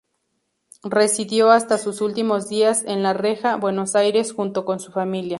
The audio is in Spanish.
Residió hasta sus últimos días en La Reja, Buenos Aires junto con su familia.